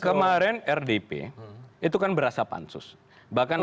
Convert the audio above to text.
kemarin rdp itu kan berasa pansus bahkan